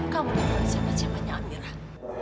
kamu tidak perlu siap siapannya amirah